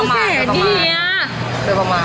คือประมาณ